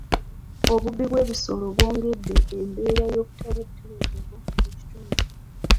Obubbi bw'ebisolo bwongedde embeera y'obutali butebenkevu mu kitundu.